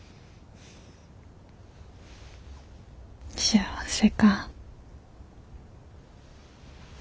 幸せか。